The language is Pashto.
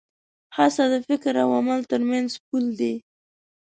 هڅه د فکر او عمل تر منځ پُل دی.